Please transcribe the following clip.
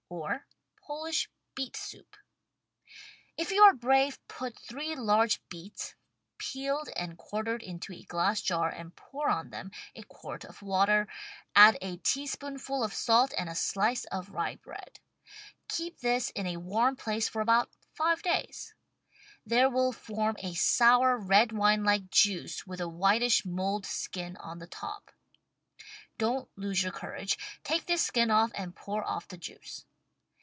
{Or Polish Beet Soup) If you are brave, put three large beets, peeled and quar tered into a glass jar and pour on them a quart of water, add a teaspoonful of salt and a slice of rye bread. Keep this in a warm place for about five days. There will form a sour red wine like juice with a whitish mold skin on the top. Don't lose your courage, take this skin off and pour off the juice.